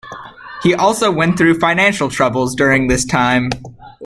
He also went through financial troubles during this time.